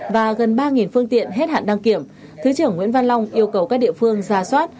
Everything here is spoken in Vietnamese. và gần ba phương tiện hết hạn đăng kiểm thứ trưởng nguyễn văn long yêu cầu các địa phương ra soát